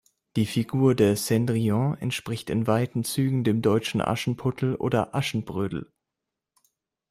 Die Figur der "Cendrillon" entspricht in weiten Zügen dem deutschen Aschenputtel oder "Aschenbrödel".